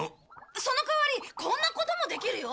そのかわりこんなこともできるよ！